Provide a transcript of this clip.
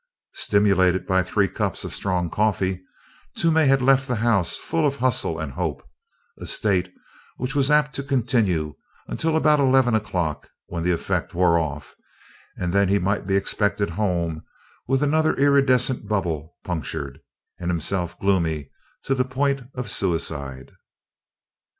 Stimulated by three cups of strong coffee, Toomey had left the house full of hustle and hope a state which was apt to continue until about eleven o'clock when the effect wore off, and then he might be expected home with another iridescent bubble punctured, and himself gloomy to the point of suicide.